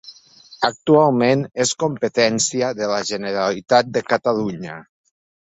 Actualment és competència de la Generalitat de Catalunya.